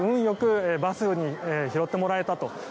よくバスに拾ってもらえたと。